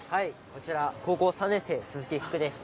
こちら高校３年生、鈴木福です。